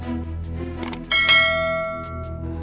jadi fitnah nak